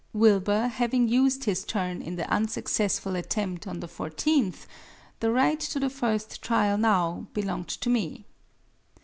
Wilbur, having used his turn in the unsuccessful attempt on the 14th, the right to the first trial now belonged to me.